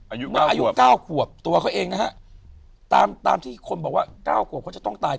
เมื่ออายุเก้าขวบตัวเขาเองนะฮะตามตามที่คนบอกว่า๙ขวบเขาจะต้องตาย